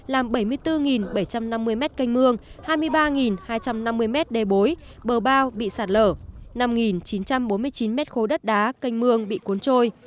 làm bảy mươi bốn bảy trăm năm mươi mét canh mương hai mươi ba hai trăm năm mươi mét đê bối bờ bao bị sạt lở năm chín trăm bốn mươi chín m ba đất đá canh mương bị cuốn trôi